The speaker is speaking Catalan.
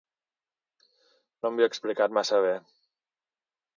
No m'havia explicat massa bé.